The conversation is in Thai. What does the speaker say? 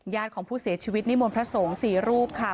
ของผู้เสียชีวิตนิมนต์พระสงฆ์๔รูปค่ะ